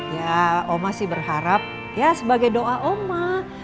ya oma sih berharap ya sebagai doa oma